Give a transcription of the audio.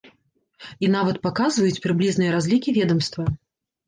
І нават паказваюць прыблізныя разлікі ведамства.